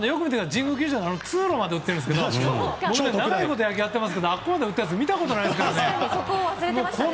神宮球場の通路まで打ってるんですけど僕、長いこと野球やってますけどあそこまで打ったやつ見たことないですからね。